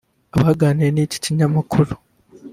Abaganiriye n’iki kinyamakuru